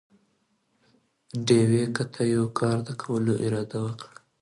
ډېوې!! که ته دې يوه کار د کولو اراده وکړي؟